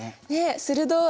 鋭い。